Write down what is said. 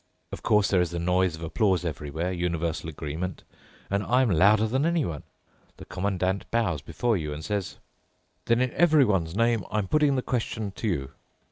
Of course, there is the noise of applause everywhere, universal agreement. And I'm louder than anyone. The Commandant bows before you and says, 'Then in everyone's name, I'm putting the question to you.